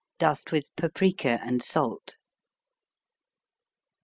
Dust with paprika and salt.